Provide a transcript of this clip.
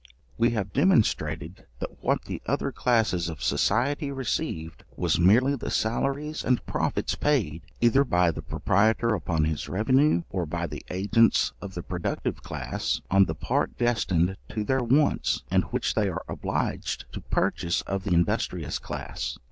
We have demonstrated, that what the other classes of society received, was merely the salaries and profits paid, either by the proprietor upon his revenue, or by the agents of the productive class, on the part destined to their wants, and which they are obliged to purchase of the industrious class.